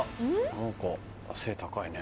何か背高いね。